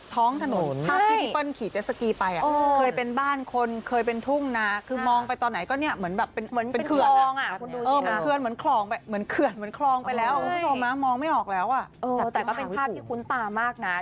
แต่เป็นภาพที่คุ้นตามากนะ